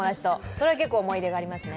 それが結構思い出がありますね。